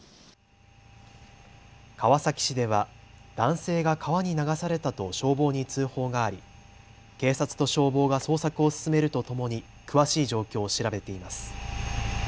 川崎市では男性が川に流されたと消防に通報があり警察と消防が捜索を進めるとともに詳しい状況を調べています。